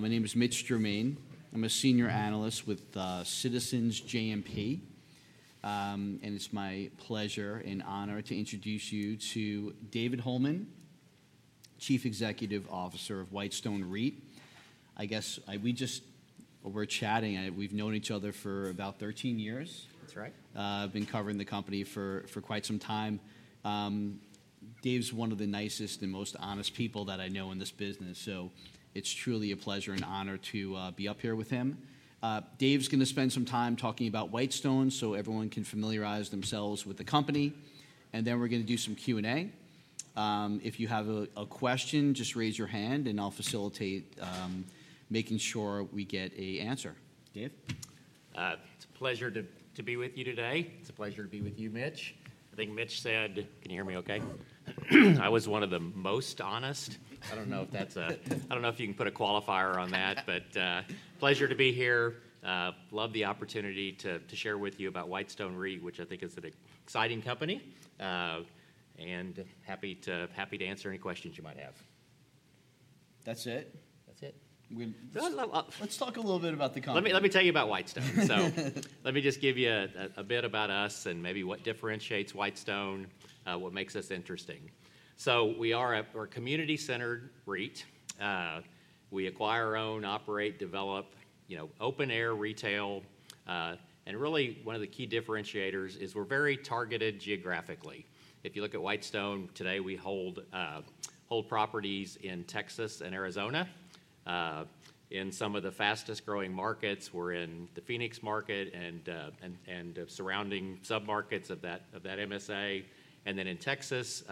My name is Mitch Germain. I'm a senior analyst with Citizens JMP, and it's my pleasure and honor to introduce you to David Holeman, Chief Executive Officer of Whitestone REIT. I guess, we just... We're chatting, and we've known each other for about 13 years? That's right. I've been covering the company for quite some time. Dave's one of the nicest and most honest people that I know in this business, so it's truly a pleasure and honor to be up here with him. Dave's gonna spend some time talking about Whitestone so everyone can familiarize themselves with the company, and then we're gonna do some Q&A. If you have a question, just raise your hand, and I'll facilitate making sure we get an answer. Dave? It's a pleasure to be with you today. It's a pleasure to be with you, Mitch. I think Mitch said. Can you hear me okay? I was one of the most honest. I don't know if that's a—I don't know if you can put a qualifier on that—but, pleasure to be here. Love the opportunity to, to share with you about Whitestone REIT, which I think is an exciting company, and happy to, happy to answer any questions you might have. That's it? That's it. We- Well, Let's talk a little bit about the company. Let me, let me tell you about Whitestone. So let me just give you a bit about us and maybe what differentiates Whitestone, what makes us interesting. So we are we're a community-centered REIT. We acquire, own, operate, develop, you know, open-air retail, and really, one of the key differentiators is we're very targeted geographically. If you look at Whitestone today, we hold, hold properties in Texas and Arizona, in some of the fastest-growing markets. We're in the Phoenix market and, and, and surrounding submarkets of that, of that MSA, and then in Texas,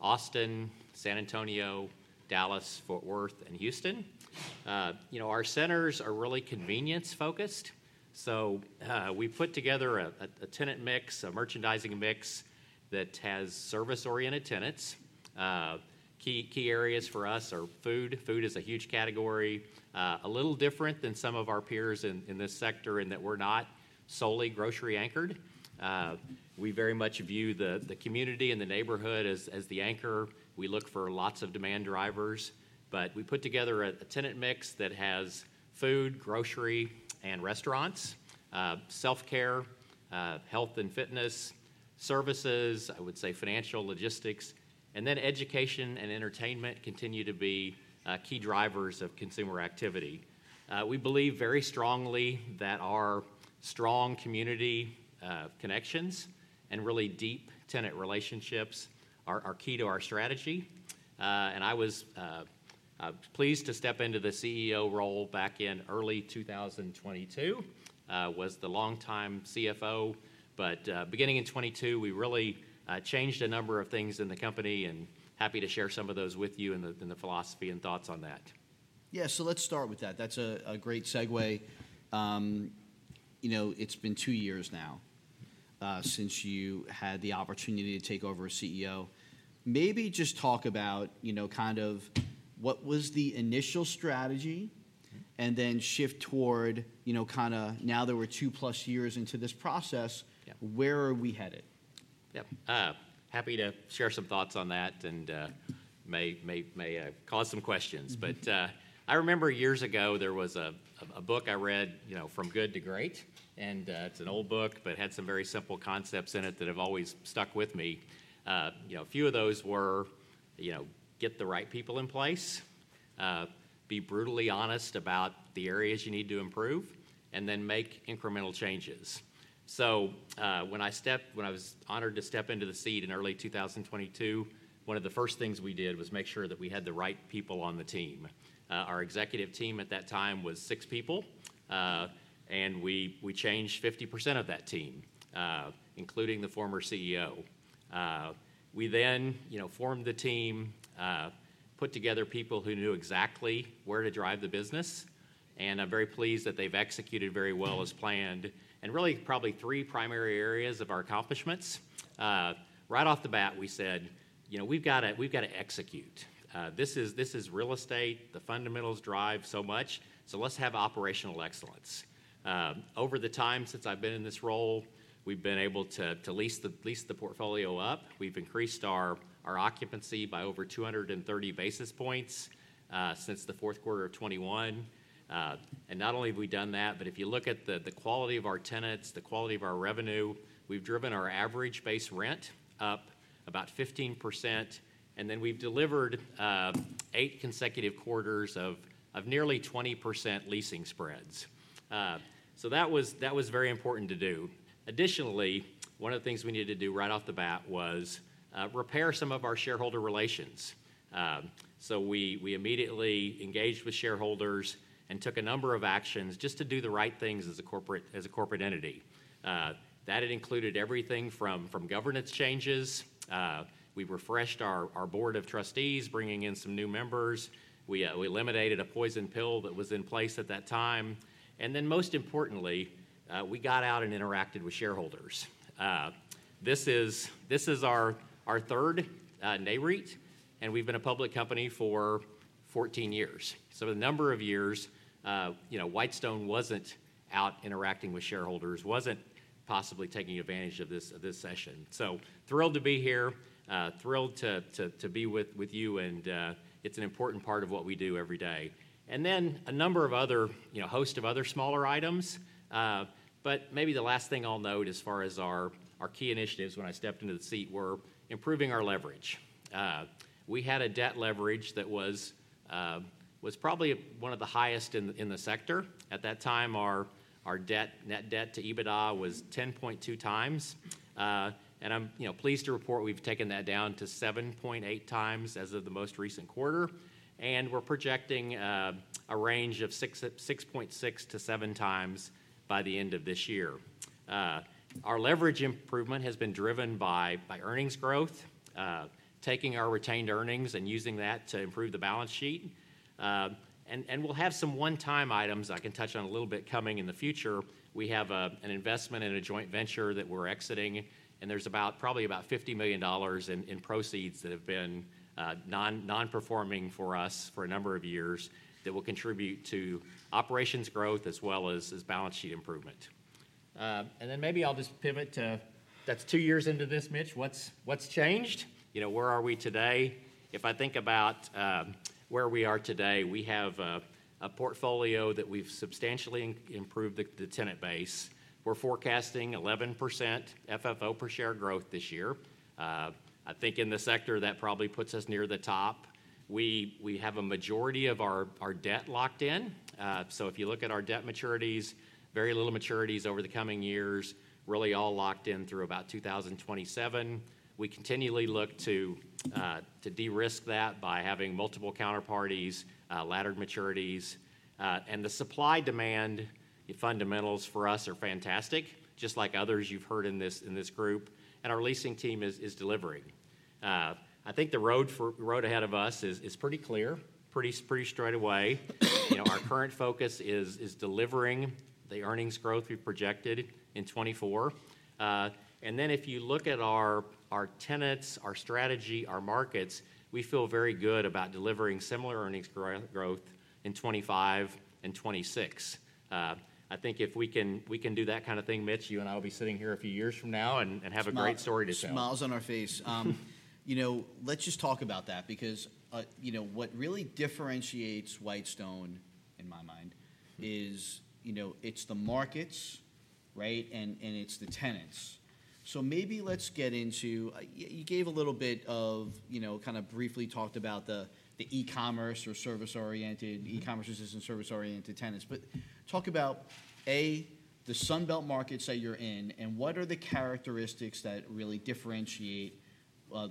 Austin, San Antonio, Dallas, Fort Worth, and Houston. You know, our centers are really convenience-focused, so, we've put together a tenant mix, a merchandising mix that has service-oriented tenants. Key, key areas for us are food. Food is a huge category, a little different than some of our peers in this sector, in that we're not solely grocery-anchored. We very much view the community and the neighborhood as the anchor. We look for lots of demand drivers, but we put together a tenant mix that has food, grocery, and restaurants, self-care, health and fitness services, I would say financial, logistics, and then education and entertainment continue to be key drivers of consumer activity. We believe very strongly that our strong community connections and really deep tenant relationships are key to our strategy, and I was pleased to step into the CEO role back in early 2022. was the longtime CFO, but beginning in 2022, we really changed a number of things in the company and happy to share some of those with you and the, and the philosophy and thoughts on that. Yeah, so let's start with that. That's a great segue. You know, it's been two years now since you had the opportunity to take over as CEO. Maybe just talk about, you know, kind of what was the initial strategy, and then shift toward, you know, kinda now that we're two-plus years into this process- Yeah... where are we headed? Yep, happy to share some thoughts on that, and may cause some questions. Mm-hmm. But, I remember years ago, there was a book I read, you know, Good to Great, and, it's an old book but had some very simple concepts in it that have always stuck with me. You know, a few of those were, you know, get the right people in place, be brutally honest about the areas you need to improve, and then make incremental changes. So, when I was honored to step into the seat in early 2022, one of the first things we did was make sure that we had the right people on the team. Our executive team at that time was six people, and we changed 50% of that team, including the former CEO. We then, you know, formed the team, put together people who knew exactly where to drive the business, and I'm very pleased that they've executed very well as planned in really probably three primary areas of our accomplishments. Right off the bat, we said, "You know, we've gotta execute. This is real estate. The fundamentals drive so much, so let's have operational excellence." Over the time since I've been in this role, we've been able to lease the portfolio up. We've increased our occupancy by over 230 basis points since the fourth quarter of 2021. And not only have we done that, but if you look at the quality of our tenants, the quality of our revenue, we've driven our average base rent up about 15%, and then we've delivered 8 consecutive quarters of nearly 20% leasing spreads. So that was very important to do. Additionally, one of the things we needed to do right off the bat was repair some of our shareholder relations. So we immediately engaged with shareholders and took a number of actions just to do the right things as a corporate entity. That had included everything from governance changes. We refreshed our board of trustees, bringing in some new members. We, we eliminated a poison pill that was in place at that time, and then, most importantly, we got out and interacted with shareholders. This is, this is our, our third, NAREIT, and we've been a public company for 14 years. So a number of years-..., you know, Whitestone wasn't out interacting with shareholders, wasn't possibly taking advantage of this, of this session. So thrilled to be here, thrilled to, to, to be with, with you, and, it's an important part of what we do every day. And then a number of other, you know, host of other smaller items. But maybe the last thing I'll note as far as our, our key initiatives when I stepped into the seat were improving our leverage. We had a debt leverage that was probably one of the highest in the sector. At that time, our debt, net debt to EBITDA was 10.2x. And I'm, you know, pleased to report we've taken that down to 7.8x as of the most recent quarter, and we're projecting a range of 6.6-7x by the end of this year. Our leverage improvement has been driven by earnings growth, taking our retained earnings and using that to improve the balance sheet. And we'll have some one-time items I can touch on a little bit coming in the future. We have an investment in a joint venture that we're exiting, and there's about, probably about $50 million in proceeds that have been non-performing for us for a number of years that will contribute to operations growth as well as balance sheet improvement. And then maybe I'll just pivot to, that's two years into this, Mitch. What's changed? You know, where are we today? If I think about where we are today, we have a portfolio that we've substantially improved the tenant base. We're forecasting 11% FFO per share growth this year. I think in the sector, that probably puts us near the top. We have a majority of our debt locked in. So if you look at our debt maturities, very little maturities over the coming years, really all locked in through about 2027. We continually look to de-risk that by having multiple counterparties, laddered maturities. And the supply-demand fundamentals for us are fantastic, just like others you've heard in this group, and our leasing team is delivering. I think the road ahead of us is pretty clear, pretty straight away. You know, our current focus is delivering the earnings growth we've projected in 2024. And then if you look at our tenants, our strategy, our markets, we feel very good about delivering similar earnings growth in 2025 and 2026. I think if we can, we can do that kind of thing, Mitch, you and I will be sitting here a few years from now and have a great story to tell. Smiles on our face. You know, let's just talk about that because, you know, what really differentiates Whitestone, in my mind, is, you know, it's the markets, right? And it's the tenants. So maybe let's get into... You gave a little bit of, you know, kind of briefly talked about the e-commerce or service-oriented- Mm-hmm.... e-commerce and service-oriented tenants, but talk about, A, the Sun Belt markets that you're in, and what are the characteristics that really differentiate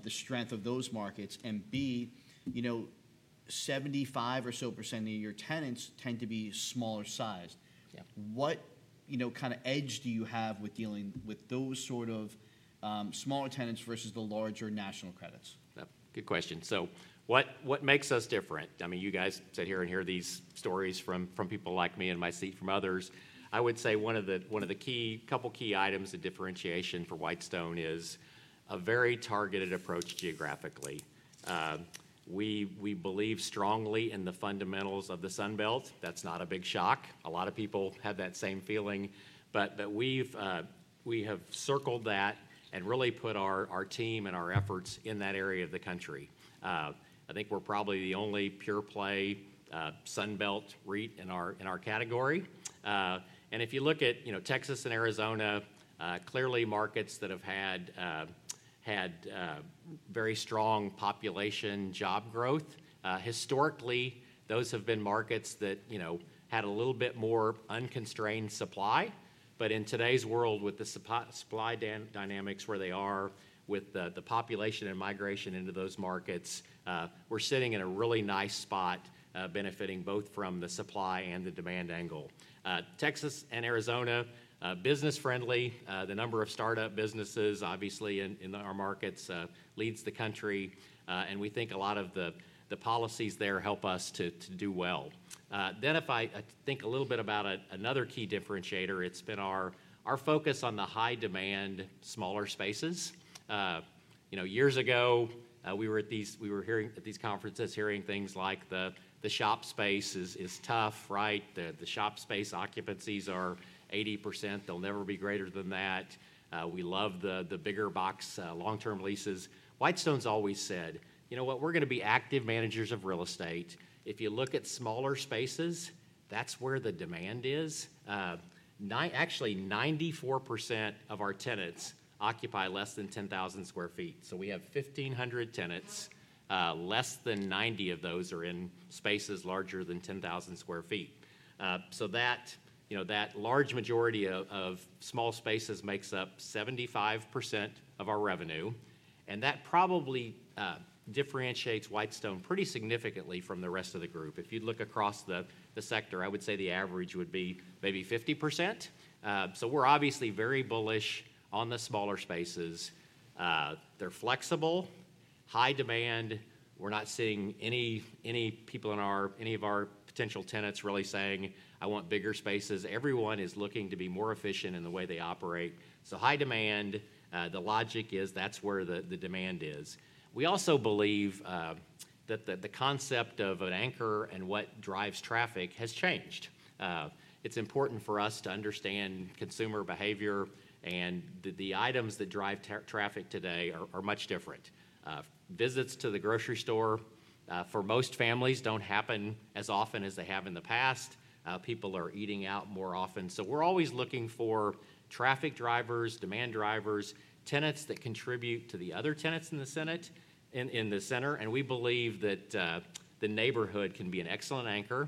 the strength of those markets? And B, you know, 75% or so of your tenants tend to be smaller sized. Yeah. What, you know, kind of edge do you have with dealing with those sort of, smaller tenants versus the larger national credits? Good question. So what makes us different? I mean, you guys sit here and hear these stories from people like me in my seat, from others. I would say one of the key couple items of differentiation for Whitestone is a very targeted approach geographically. We believe strongly in the fundamentals of the Sun Belt. That's not a big shock. A lot of people have that same feeling. But we've circled that and really put our team and our efforts in that area of the country. I think we're probably the only pure play Sun Belt REIT in our category. And if you look at, you know, Texas and Arizona, clearly markets that have had very strong population job growth. Historically, those have been markets that, you know, had a little bit more unconstrained supply. But in today's world, with the supply dynamics where they are, with the, the population and migration into those markets, we're sitting in a really nice spot, benefiting both from the supply and the demand angle. Texas and Arizona, business-friendly. The number of startup businesses obviously in, in our markets, leads the country, and we think a lot of the, the policies there help us to, to do well. Then if I, I think a little bit about another key differentiator, it's been our, our focus on the high-demand, smaller spaces. You know, years ago, we were hearing at these conferences, hearing things like, "The shop space is tough, right? The shop space occupancies are 80%. They'll never be greater than that. We love the bigger box long-term leases. Whitestone's always said: You know what? We're gonna be active managers of real estate. If you look at smaller spaces, that's where the demand is. Actually, 94% of our tenants occupy less than 10,000 sq ft. So we have 1,500 tenants. Less than 90 of those are in spaces larger than 10,000 sq ft. So that, you know, that large majority of small spaces makes up 75% of our revenue, and that probably differentiates Whitestone pretty significantly from the rest of the group. If you look across the sector, I would say the average would be maybe 50%. So we're obviously very bullish on the smaller spaces. They're flexible, high demand. We're not seeing any of our potential tenants really saying, "I want bigger spaces." Everyone is looking to be more efficient in the way they operate. So high demand, the logic is that's where the demand is. We also believe that the concept of an anchor and what drives traffic has changed. It's important for us to understand consumer behavior, and the items that drive traffic today are much different. Visits to the grocery store for most families don't happen as often as they have in the past. People are eating out more often. So we're always looking for traffic drivers, demand drivers, tenants that contribute to the other tenants in the center, and we believe that the neighborhood can be an excellent anchor.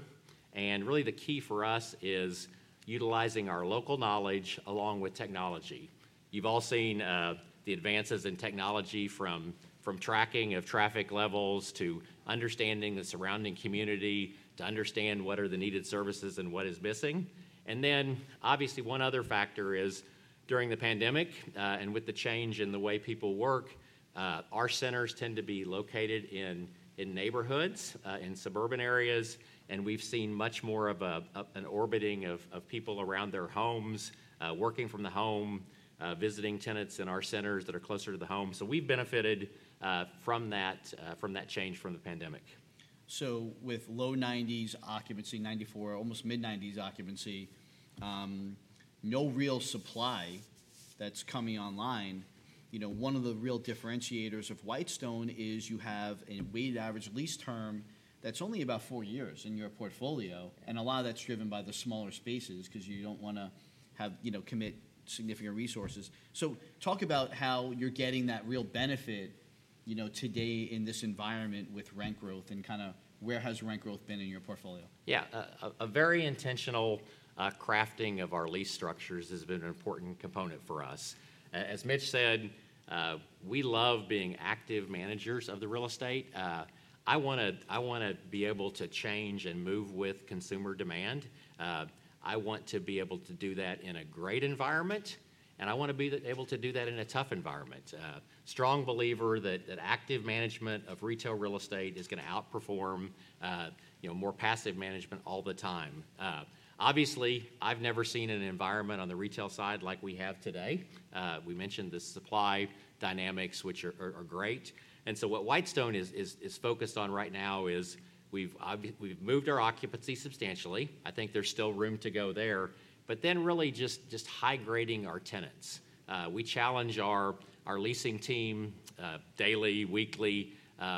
Really, the key for us is utilizing our local knowledge along with technology. You've all seen the advances in technology from tracking of traffic levels to understanding the surrounding community, to understand what are the needed services and what is missing. Then, obviously, one other factor is during the pandemic and with the change in the way people work, our centers tend to be located in neighborhoods in suburban areas, and we've seen much more of an orbiting of people around their homes, working from the home, visiting tenants in our centers that are closer to the home. So we've benefited from that change from the pandemic. So with low 90s occupancy, 94, almost mid-90s occupancy, no real supply that's coming online, you know, one of the real differentiators of Whitestone is you have a weighted average lease term that's only about 4 years in your portfolio, and a lot of that's driven by the smaller spaces 'cause you don't wanna have... you know, commit significant resources. So talk about how you're getting that real benefit, you know, today in this environment with rent growth, and kinda where has rent growth been in your portfolio? Yeah. A very intentional crafting of our lease structures has been an important component for us. As Mitch said, we love being active managers of the real estate. I wanna be able to change and move with consumer demand. I want to be able to do that in a great environment, and I wanna be able to do that in a tough environment. Strong believer that active management of retail real estate is gonna outperform, you know, more passive management all the time. Obviously, I've never seen an environment on the retail side like we have today. We mentioned the supply dynamics, which are great. And so what Whitestone is focused on right now is we've moved our occupancy substantially. I think there's still room to go there, but then really just high-grading our tenants. We challenge our leasing team daily, weekly,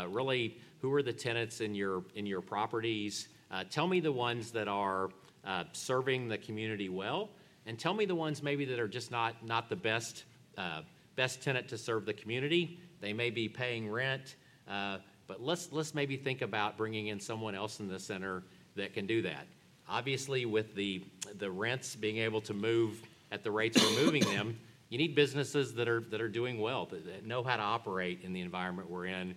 really, who are the tenants in your properties? Tell me the ones that are serving the community well, and tell me the ones maybe that are just not the best tenant to serve the community. They may be paying rent, but let's maybe think about bringing in someone else in the center that can do that. Obviously, with the rents being able to move at the rates we're moving them, you need businesses that are doing well, that know how to operate in the environment we're in,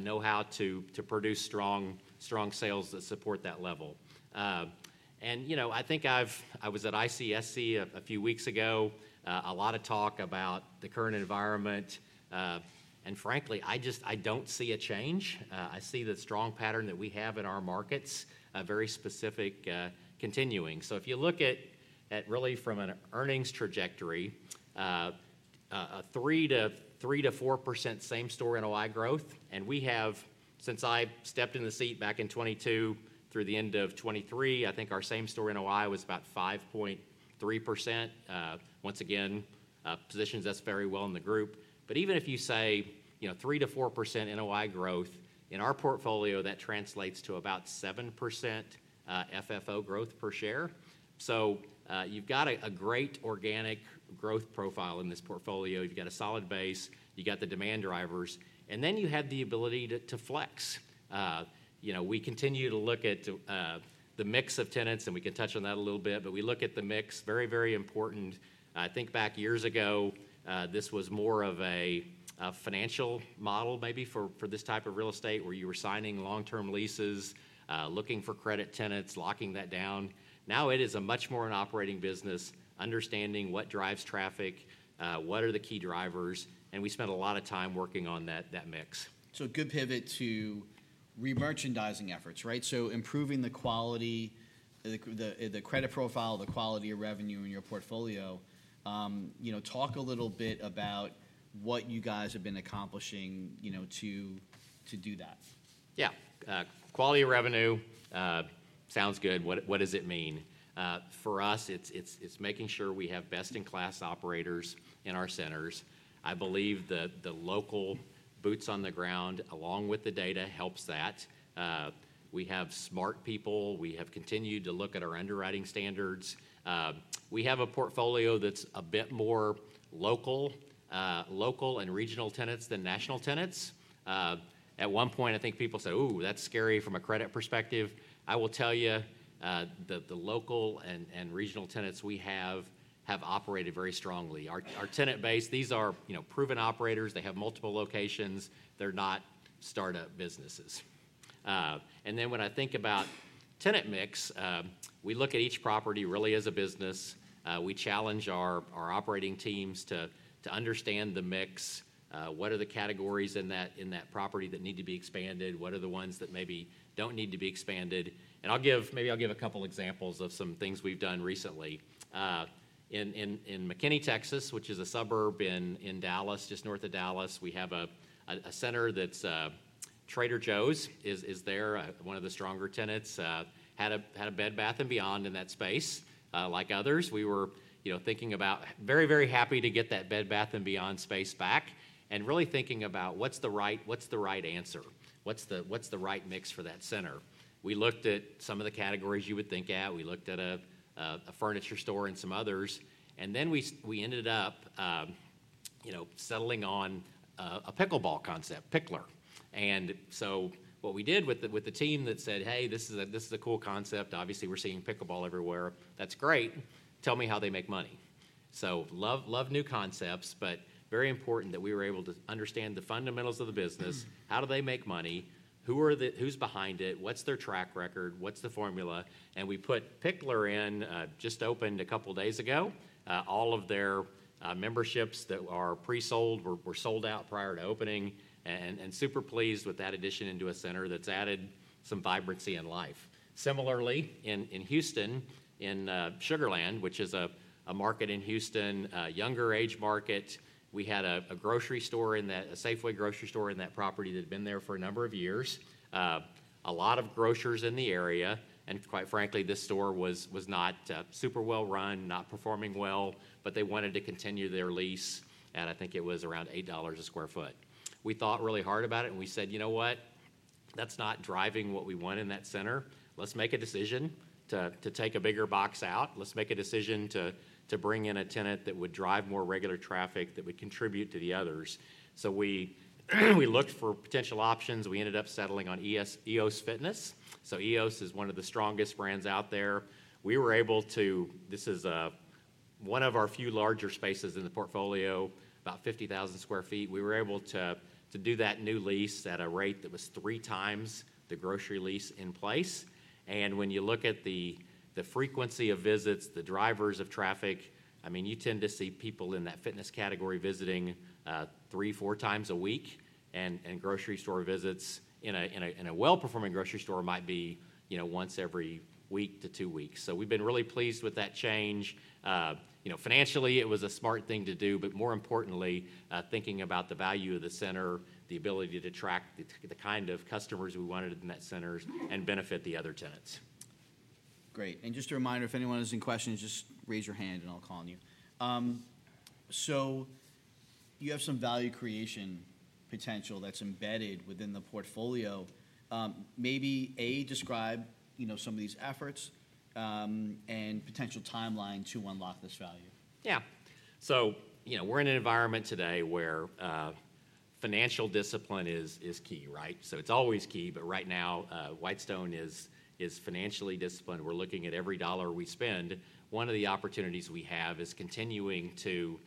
know how to produce strong sales that support that level. And, you know, I think I've... I was at ICSC a few weeks ago, a lot of talk about the current environment, and frankly, I just, I don't see a change. I see the strong pattern that we have in our markets, a very specific continuing. So if you look at really from an earnings trajectory, a 3%-4% same-store NOI growth, and we have, since I stepped in the seat back in 2022 through the end of 2023, I think our same-store NOI was about 5.3%. Once again, positions us very well in the group. But even if you say, you know, 3%-4% NOI growth, in our portfolio, that translates to about 7%, FFO growth per share. So, you've got a great organic growth profile in this portfolio. You've got a solid base, you got the demand drivers, and then you have the ability to flex. You know, we continue to look at the mix of tenants, and we can touch on that a little bit, but we look at the mix, very, very important. I think back years ago, this was more of a financial model maybe for this type of real estate, where you were signing long-term leases, looking for credit tenants, locking that down. Now, it is a much more an operating business, understanding what drives traffic, what are the key drivers, and we spend a lot of time working on that mix. So a good pivot to remerchandising efforts, right? So improving the quality, the credit profile, the quality of revenue in your portfolio, you know, talk a little bit about what you guys have been accomplishing, you know, to do that. Yeah. Quality of revenue sounds good. What does it mean? For us, it's making sure we have best-in-class operators in our centers. I believe that the local boots on the ground, along with the data, helps that. We have smart people. We have continued to look at our underwriting standards. We have a portfolio that's a bit more local, local and regional tenants than national tenants. At one point, I think people said, "Ooh, that's scary from a credit perspective." I will tell you, the local and regional tenants we have have operated very strongly. Our tenant base, these are, you know, proven operators. They have multiple locations. They're not start-up businesses. And then when I think about tenant mix, we look at each property really as a business. We challenge our operating teams to understand the mix, what are the categories in that property that need to be expanded? What are the ones that maybe don't need to be expanded? And I'll give... maybe I'll give a couple examples of some things we've done recently. In McKinney, Texas, which is a suburb in Dallas, just north of Dallas, we have a center that's Trader Joe's is there, one of the stronger tenants. Had a Bed Bath & Beyond in that space. Like others, we were, you know, thinking about very, very happy to get that Bed Bath & Beyond space back, and really thinking about: what's the right, what's the right answer? What's the, what's the right mix for that center? We looked at some of the categories you would think at. We looked at a furniture store and some others, and then we ended up, you know, settling on a pickleball concept, Picklr. And so what we did with the team that said, "Hey, this is a cool concept," obviously, we're seeing pickleball everywhere. That's great! Tell me how they make money. So love new concepts, but very important that we were able to understand the fundamentals of the business. Mm. How do they make money? Who are they? Who's behind it? What's their track record? What's the formula? And we put Picklr in, just opened a couple days ago. All of their memberships that are pre-sold were sold out prior to opening, and super pleased with that addition into a center that's added some vibrancy and life. Similarly, in Houston, in Sugar Land, which is a market in Houston, a younger age market, we had a grocery store in that, a Safeway grocery store in that property that had been there for a number of years. A lot of grocers in the area, and quite frankly, this store was not super well-run, not performing well, but they wanted to continue their lease at I think it was around $8 a sq ft. We thought really hard about it, and we said, "You know what? That's not driving what we want in that center. Let's make a decision to take a bigger box out. Let's make a decision to bring in a tenant that would drive more regular traffic, that would contribute to the others." So we looked for potential options. We ended up settling on EoS Fitness. So EoS is one of the strongest brands out there. We were able to... This is one of our few larger spaces in the portfolio, about 50,000 sq ft. We were able to do that new lease at a rate that was 3 times the grocery lease in place, and when you look at the frequency of visits, the drivers of traffic, I mean, you tend to see people in that fitness category visiting 3-4 times a week. And grocery store visits in a well-performing grocery store might be, you know, once every week to 2 weeks. So we've been really pleased with that change. You know, financially, it was a smart thing to do, but more importantly, thinking about the value of the center, the ability to attract the kind of customers we wanted in that center and benefit the other tenants. Great, and just a reminder, if anyone has any questions, just raise your hand, and I'll call on you. So you have some value creation potential that's embedded within the portfolio. Maybe, A, describe, you know, some of these efforts, and potential timeline to unlock this value. Yeah. So, you know, we're in an environment today where financial discipline is key, right? So it's always key, but right now, Whitestone is financially disciplined. We're looking at every dollar we spend. One of the opportunities we have is continuing to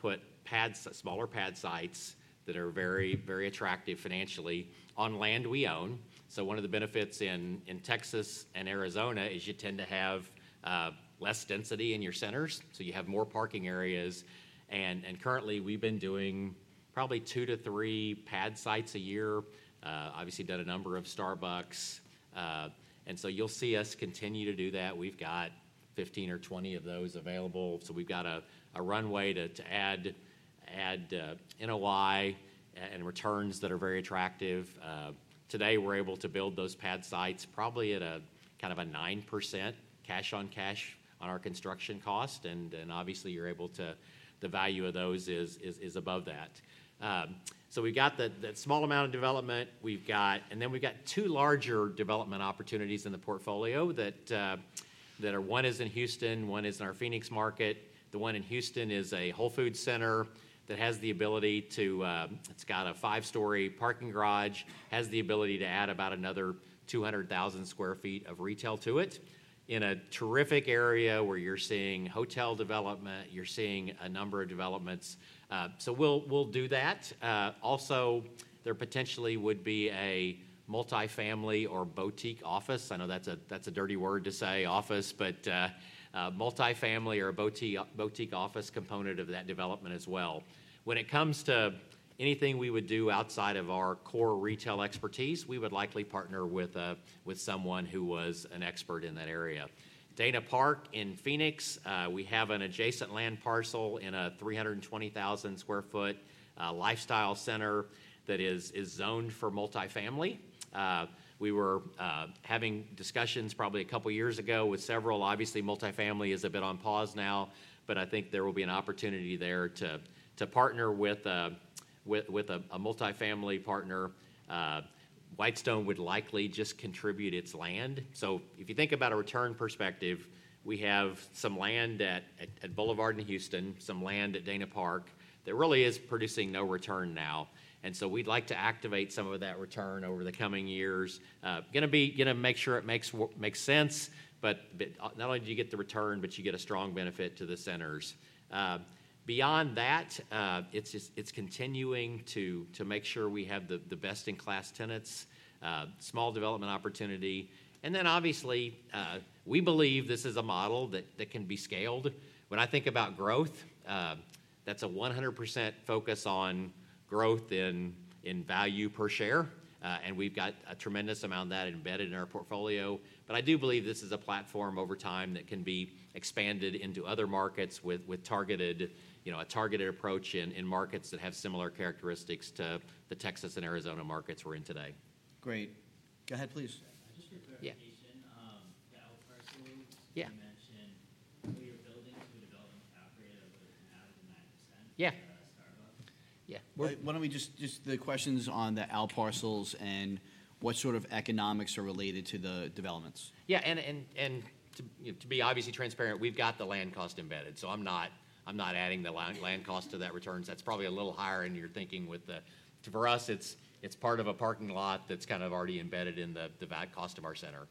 put pads, smaller pad sites that are very, very attractive financially on land we own. So one of the benefits in Texas and Arizona is you tend to have less density in your centers, so you have more parking areas. And currently, we've been doing probably 2-3 pad sites a year. Obviously, done a number of Starbucks, and so you'll see us continue to do that. We've got 15 or 20 of those available, so we've got a runway to add NOI and returns that are very attractive. Today, we're able to build those pad sites probably at a kind of a 9% cash-on-cash on our construction cost, and obviously the value of those is above that. So we've got the small amount of development. And then we've got two larger development opportunities in the portfolio that are one is in Houston, one is in our Phoenix market. The one in Houston is a Whole Foods center that has the ability to it's got a 5-story parking garage, has the ability to add about another 200,000 sq ft of retail to it in a terrific area where you're seeing hotel development, you're seeing a number of developments. So we'll do that. Also, there potentially would be a multifamily or boutique office. I know that's a, that's a dirty word to say, office, but multifamily or a boutique office component of that development as well. When it comes to anything we would do outside of our core retail expertise, we would likely partner with someone who was an expert in that area. Dana Park in Phoenix, we have an adjacent land parcel in a 320,000 sq ft lifestyle center that is zoned for multifamily. We were having discussions probably a couple years ago with several. Obviously, multifamily is a bit on pause now, but I think there will be an opportunity there to partner with a multifamily partner. Whitestone would likely just contribute its land. So if you think about a return perspective, we have some land at Boulevard in Houston, some land at Dana Park, that really is producing no return now, and so we'd like to activate some of that return over the coming years. Gonna make sure it makes sense, but not only do you get the return, but you get a strong benefit to the centers. Beyond that, it's just continuing to make sure we have the best-in-class tenants, small development opportunity, and then, obviously, we believe this is a model that can be scaled. When I think about growth, that's a 100% focus on growth in value per share, and we've got a tremendous amount of that embedded in our portfolio. I do believe this is a platform over time that can be expanded into other markets with targeted, you know, a targeted approach in markets that have similar characteristics to the Texas and Arizona markets we're in today. Great. Go ahead, please. Just for clarification- Yeah. The outparcels- Yeah... you mentioned where you're building to a development operator, whether it's 9%- Yeah... Starbucks. Yeah. Well- Why don't we just the questions on the outparcels and what sort of economics are related to the developments? Yeah, and, you know, to be obviously transparent, we've got the land cost embedded, so I'm not adding the land cost to that returns. That's probably a little higher in your thinking with the... For us, it's part of a parking lot that's kind of already embedded in the back cost of our center.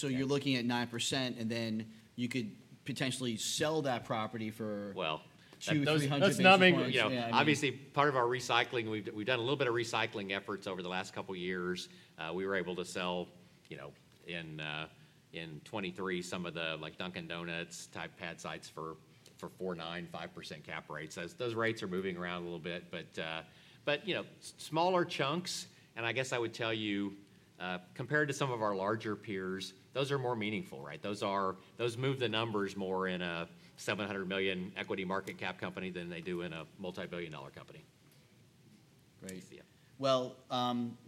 You're looking at 9%, and then you could potentially sell that property for- Well- 2,300- That's not maybe- Yeah. Obviously, part of our recycling, we've done, we've done a little bit of recycling efforts over the last couple years. We were able to sell, you know, in, in 2023, some of the, like, Dunkin' Donuts-type pad sites for, for 4.9%-5% cap rates. Those, those rates are moving around a little bit, but, but, you know, smaller chunks, and I guess I would tell you, compared to some of our larger peers, those are more meaningful, right? Those, those move the numbers more in a 700 million equity market cap company than they do in a multi-billion dollar company. Great. Yeah. Well,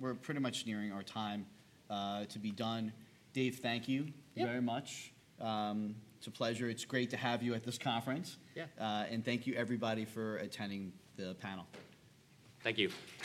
we're pretty much nearing our time to be done. Dave, thank you- Yeah... very much. It's a pleasure. It's great to have you at this conference. Yeah. Thank you everybody for attending the panel. Thank you.